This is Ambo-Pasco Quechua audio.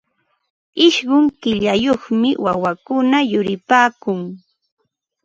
Ishqun killayuqmi wawakuna yuripaakun.